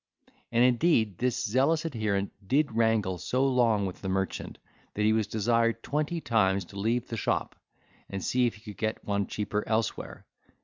And, indeed, this zealous adherent did wrangle so long with the merchant, that he was desired twenty times to leave the shop, and see if he could get one cheaper elsewhere.